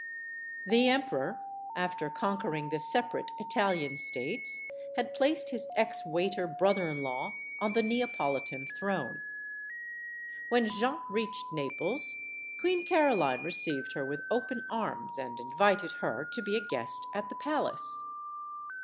The emperor, after conquering the separate Italian states, had placed his ex waiter brother in law on the Neapolitan throne. When Jeanne reached Naples, Queen Caroline re ceived her with open arms and invited her to be a guest at the palace.